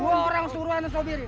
buang perang suruhan sobirin